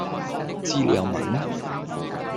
知你又問?